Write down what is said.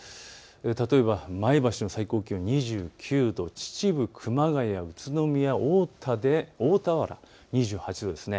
例えば前橋、最高気温２９度、秩父、熊谷、宇都宮、大田原２８度です。